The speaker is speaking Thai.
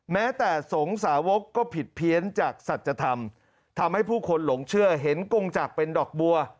แม้แต่สงสาวกก็ผิดเพี้ยนจากสัจธรรมทำให้ผู้คนหลงเชื่อเห็นกงจักรเป็นดอกบัว